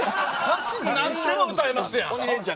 何でも歌えますやん。